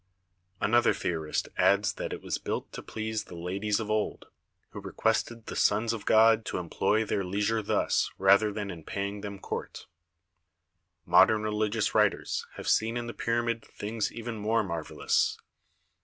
Another theorist adds that it was built to please the ladies of old, who requested the sons of God to employ their leisure thus rather than in paying them court. Modern religious writers have seen in the pyra mid things even more marvellous.